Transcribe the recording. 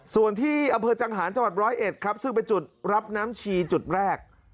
ส่วนที่อำเภอจังหารจังหวัดร้อยเอ็ดครับซึ่งเป็นจุดรับน้ำชีจุดแรก